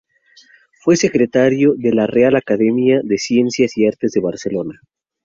Fue secretario de la Real Academia de Ciencias y Artes de Barcelona.